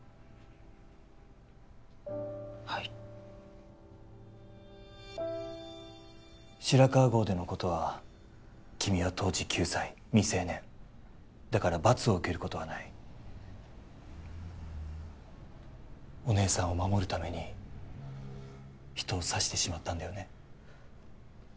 はい白川郷でのことは君は当時９歳未成年だから罰を受けることはないお姉さんを守るために人を刺してしまったんだよね？